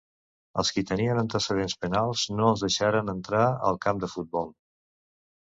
Als qui tenien antecedents penals no els deixaren entrar al camp de futbol.